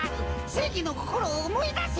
せいぎのこころをおもいだせ。